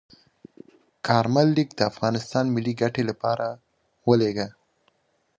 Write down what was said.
کارمل لیک د افغانستان ملي ګټې لپاره ولیږه.